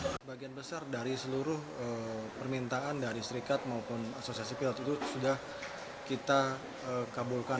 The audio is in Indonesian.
sebagian besar dari seluruh permintaan dari serikat maupun asosiasi pilot itu sudah kita kabulkan